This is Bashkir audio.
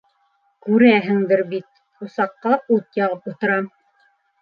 Күрәһеңдер бит: усаҡҡа ут яғып ултырам.